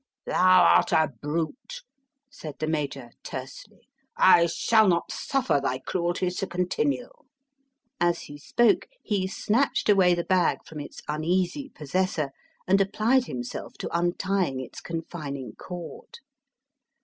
"Thou art a brute!" said the Major, tersely. "I shall not suffer thy cruelties to continue!" As he spoke, he snatched away the bag from its uneasy possessor and applied himself to untying its confining cord.